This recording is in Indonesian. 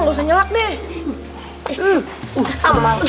nggak usah nyelak deh